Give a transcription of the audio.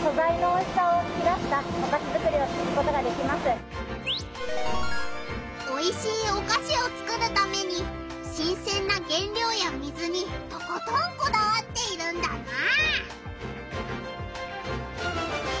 よりおいしいおかしをつくるために新せんな原料や水にとことんこだわっているんだな。